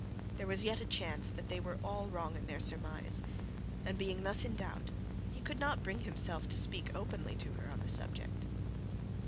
There was yet a chance that they were all wrong in their surmise; and, being thus in doubt, he could not bring himself to speak openly to her on the subject.